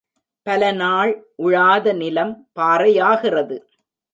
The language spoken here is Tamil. பல நாள் உழாத நிலம் பாறையாகிறது.